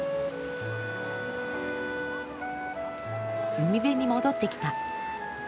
海辺に戻ってきた。